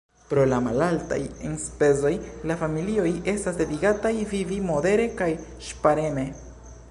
Pro la malaltaj enspezoj, la familioj estas devigataj vivi modere kaj ŝpareme.